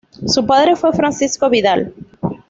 Su padre fue Francisco Vidal.